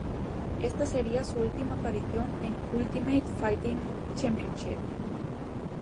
Esta sería su última aparición en Ultimate Fighting Championship.